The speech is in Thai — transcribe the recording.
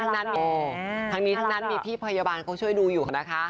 นั้นมีทั้งนี้ทั้งนั้นมีพี่พยาบาลเขาช่วยดูอยู่นะคะ